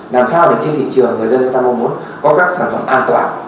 làm sao để trên thị trường người dân người ta mong muốn có các sản phẩm an toàn